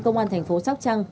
công an thành phố sóc trăng